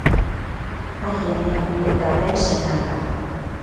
Ai ene, eta orain senarra!